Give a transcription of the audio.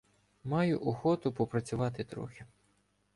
— Маю охоту попрацювати трохи.